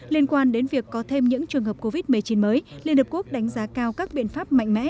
liên quan đến việc có thêm những trường hợp covid một mươi chín mới liên hợp quốc đánh giá cao các biện pháp mạnh mẽ